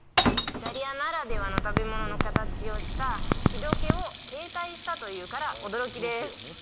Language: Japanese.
イタリアならではの食べ物の形をした日時計を携帯したというから驚きです